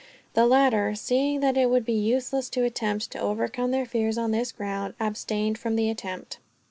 The latter, seeing that it would be useless to attempt to overcome their fears, on this ground, abstained from the attempt.